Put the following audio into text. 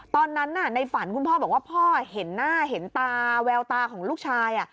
ตอนนั้นในฝันคุณพ่อบอกว่าพ่อเห็นหน้าเห็นตาแววตาของลูกชาย